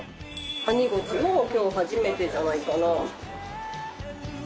ワニゴチも今日初めてじゃないかな。